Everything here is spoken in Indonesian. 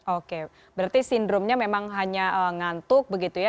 oke berarti sindromnya memang hanya ngantuk begitu ya